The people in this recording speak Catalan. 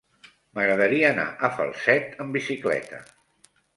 M'agradaria anar a Falset amb bicicleta.